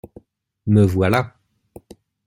Me voilà.